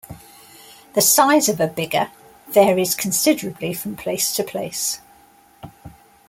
The size of a "bigha" varies considerably from place to place.